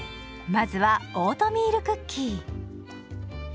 まずはオートミールクッキー。